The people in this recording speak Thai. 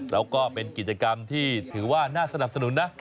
แล้วก็เป็นกิจกรรมที่ถือว่าน่าสนับสนุนนะ